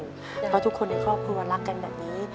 เพราะทุกคนในครอบครัวรักกันแบบนี้